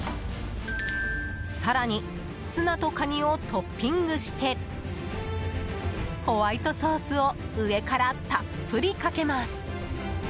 更に、ツナとカニをトッピングしてホワイトソースを上からたっぷりかけます。